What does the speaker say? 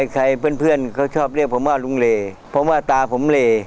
ใครเพื่อนเขาชอบเรียกผมว่าลุงเลเพราะว่าตาผมเล